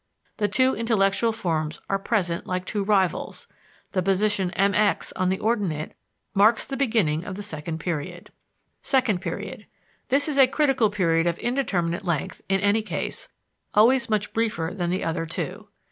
The two intellectual forms are present like two rivals. The position MX on the ordinate marks the beginning of the second period. Second Period. This is a critical period of indeterminate length, in any case, always much briefer than the other two.